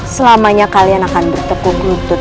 selamanya kalian akan bertekuk lutut